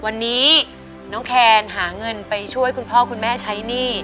วันนี้น้องแคนหาเงินไปช่วยคุณพ่อคุณแม่ใช้หนี้